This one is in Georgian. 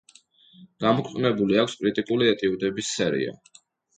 გამოქვეყნებული აქვს კრიტიკული ეტიუდების სერია.